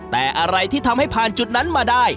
แต่อะไรที่ทำให้ผ่านจุดนั้นมาได้